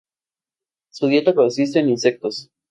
Su dieta consiste en insectos.